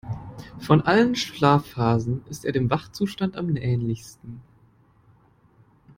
Von allen Schlafphasen ist er dem Wachzustand am ähnlichsten.